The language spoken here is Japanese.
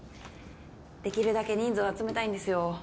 できるだけ人数を集めたいんですよ